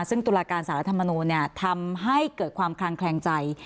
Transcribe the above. ซึ่งตุลาการศาสตร์รัฐธรรมนูนเนี่ยทำให้เกิดความคลางแคลงใจ